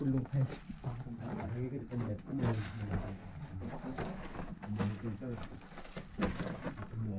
นั่นใน